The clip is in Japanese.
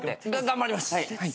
頑張ります。